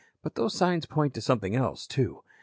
But those signs point to something else, too.